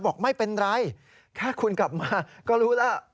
บอกไม่เป็นไรแค่คุณกลับมาก็รู้แล้ว